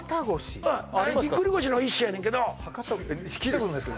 うんぎっくり腰の一種やねんけど博多聞いたことないです